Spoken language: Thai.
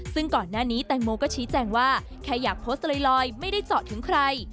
ซึ่งก่อนหน้านี้แตงโมก็ชี้แจงว่าแค่อยากโพสต์ลอยไม่ได้เจาะถึงใคร